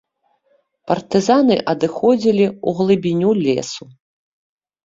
Партызаны адыходзілі ў глыбіню лесу.